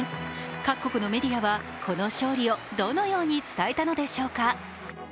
各国のメディアはこの勝利をどのように伝えたのでしょうか。